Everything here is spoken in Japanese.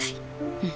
うん。